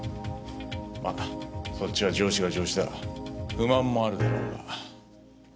まそっちは上司が上司だ不満もあるだろうが。